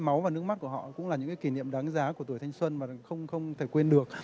máu và nước mắt của họ cũng là những kỷ niệm đáng giá của tuổi thanh xuân mà không thể quên được